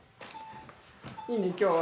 いいね今日は